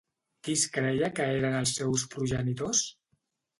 Qui es creia que eren els seus progenitors?